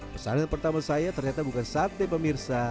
pesanan pertama saya ternyata bukan sate pemirsa